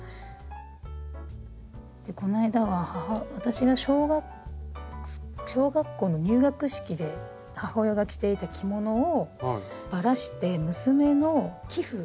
でこの間は私が小学校の入学式で母親が着ていた着物をばらして娘の被布。